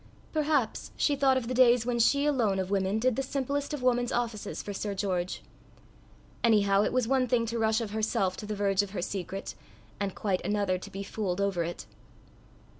Perhaps she thought of the days when she alone of women did the simplest of woman's offices for Sir George. Anyhow, it was one thing to rush of herself to the verge of her secret, and quite another to be fooled over it.